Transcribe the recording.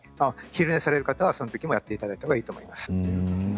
昼寝される方は、その時もやっていただけるといいと思います。